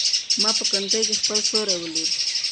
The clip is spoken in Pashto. ما په کړکۍ کې خپل سیوری ولید.